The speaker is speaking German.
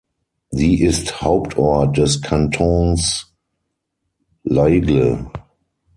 Sie ist Hauptort des Kantons L’Aigle.